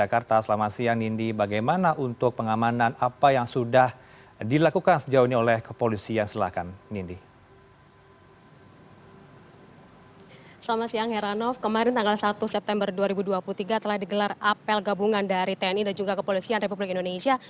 selamat siang heranov kemarin tanggal satu september dua ribu dua puluh tiga telah digelar apel gabungan dari tni dan juga kepolisian republik indonesia